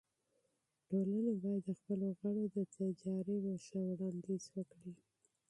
ټولنه باید د خپلو غړو د تجاريبو ښه وړاندیز وکړي.